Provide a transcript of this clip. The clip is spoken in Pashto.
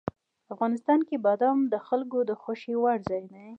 افغانستان کې بادام د خلکو د خوښې وړ ځای دی.